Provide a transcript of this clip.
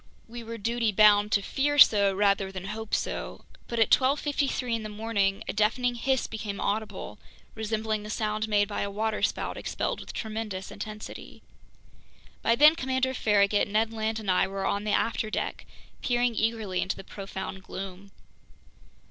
We were duty bound to fear so rather than hope so. But at 12:53 in the morning, a deafening hiss became audible, resembling the sound made by a waterspout expelled with tremendous intensity. By then Commander Farragut, Ned Land, and I were on the afterdeck, peering eagerly into the profound gloom.